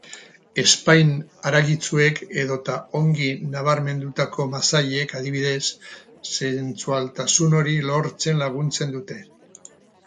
Ezpain haragitsuek edota ongi nabarmendutako masailek adibidez, sentsualtasun hori lortzen laguntzen dute.